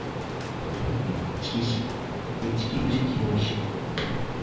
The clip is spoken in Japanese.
鹿児島県いちき串木野市